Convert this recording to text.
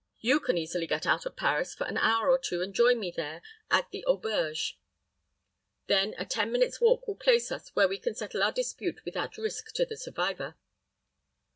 You can easily get out of Paris for an hour or two, and join me there at the auberge. Then a ten minutes' walk will place us where we can settle our dispute without risk to the survivor."